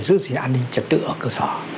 giữ gìn an ninh trật tự ở cơ sở